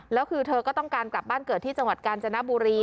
แล้วคือเธอก็ต้องการกลับบ้านเกิดที่จังหวัดกาญจนบุรี